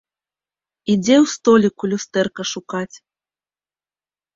Ідзе ў століку люстэрка шукаць.